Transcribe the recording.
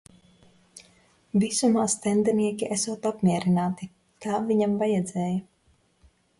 Visumā stendenieki esot apmierināti, tā viņam vajadzēja.